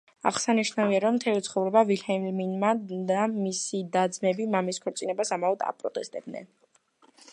აღსანიშნავია, რომ მთელი ცხოვრება ვილჰელმინა და მისი და-ძმები მამის ქორწინებას ამაოდ აპროტესტებდნენ.